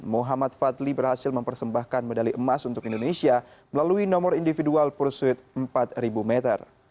muhammad fadli berhasil mempersembahkan medali emas untuk indonesia melalui nomor individual pursuit empat meter